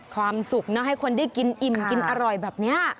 ความสุขนะให้คนได้กินอิ่มกินอร่อยแบบนี้